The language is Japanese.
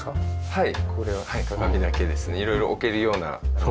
はい。